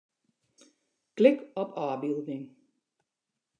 Klik op ôfbylding.